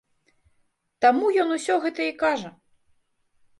Таму ён усе гэта і кажа.